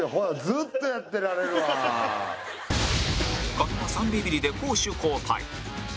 狩野が３ビビリで攻守交代